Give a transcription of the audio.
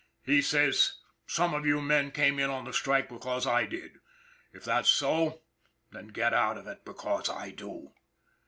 " He says some of you men came in on the strike because I did. If that's so, then get out of it because I do.